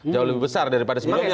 jauh lebih besar daripada sebelumnya